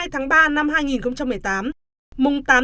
một mươi hai tháng ba năm hai nghìn một mươi tám